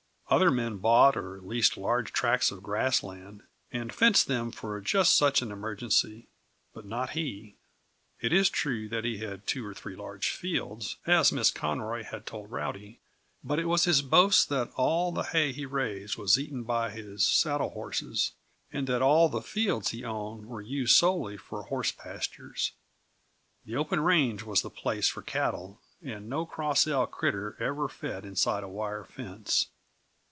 Other men bought or leased large tracts of grass land, and fenced them for just such an emergency, but not he. It is true that he had two or three large fields, as Miss Conroy had told Rowdy, but it was his boast that all the hay he raised was eaten by his saddlehorses, and that all the fields he owned were used solely for horse pastures. The open range was the place for cattle and no Cross L critter ever fed inside a wire fence.